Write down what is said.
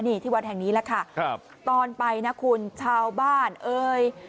นี่ที่วัดแห่งนี้แหละค่ะครับตอนไปนะคุณชาวบ้านเอ่ย